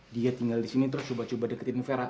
dia tinggal disini terus coba coba deketin vera